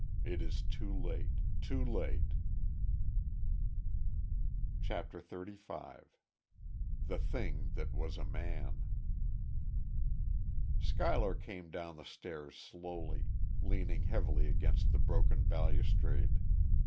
It is too late.... Too late." CHAPTER THIRTY FIVE. THE THING THAT WAS A MAN. Schuyler came down the stairs slowly, leaning heavily against the broken balustrade.